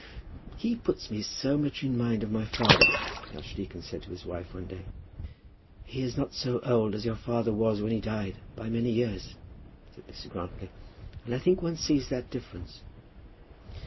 "He puts me so much in mind of my father," the archdeacon said to his wife one day. "He is not so old as your father was when he died, by many years," said Mrs. Grantly, "and I think one sees that difference."